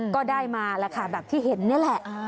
ก็ได้มาแล้วค่ะแบบที่เห็นนี่แหละ